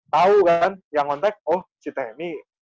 tau kan yang kontak oh si temi